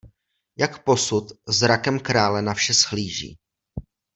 Jak posud zrakem krále na vše shlíží!